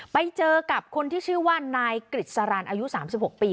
ไปเจอกับคนที่ชื่อว่านายกฤษรันอายุ๓๖ปี